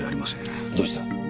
どうした？